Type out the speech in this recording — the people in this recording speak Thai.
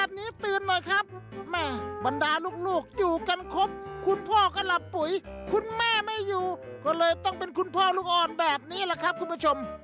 พ่อหยัดหน่ำหรับปุ๋ยคุณแม่ไม่อยู่ก็เลยต้องเป็นคุณพ่อลูกอ่อนแบบนี้นะคุณผู้ชม